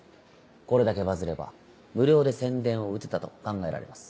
これだけバズれば無料で宣伝を打てたと考えられます。